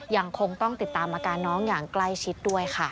ยังคงต้องติดตามอาการน้องอย่างใกล้ชิดด้วยค่ะ